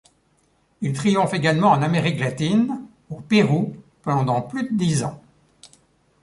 Il triomphe également en Amérique latine, au Pérou pendant plus de dix ans.